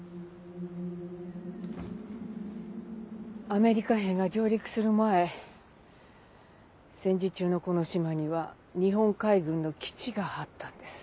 アメリカ兵が上陸する前戦時中のこの島には日本海軍の基地があったんです。